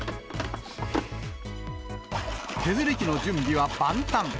削り器の準備は万端。